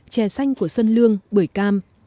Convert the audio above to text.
chè xanh của xuân lương bưởi cam